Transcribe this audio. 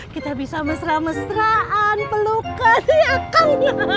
kita bisa mesra mesraan pelukan